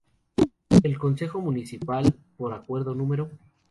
El Concejo Municipal, por Acuerdo No.